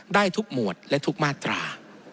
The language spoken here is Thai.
ได้ทุกหมวดและทุกมาตรา